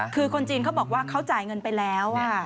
คือคนจีนเขาบอกว่าเขาจ่ายเงินไปแล้ว